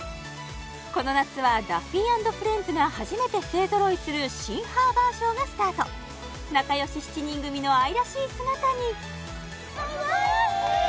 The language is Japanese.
この夏はダッフィー＆フレンズが初めて勢ぞろいする新ハーバーショーがスタート仲良し７人組の愛らしい姿にかわいい！